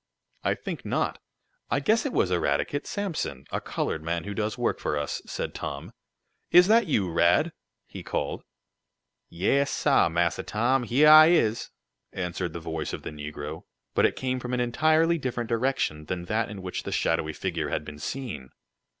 "I think not. I guess it was Eradicate Sampson, a colored man who does work for us," said Tom. "Is that you, Rad?" he called. "Yais, sah, Massa Tom, heah I is!" answered the voice of the negro, but it came from an entirely different direction than that in which the shadowy figure had been seen.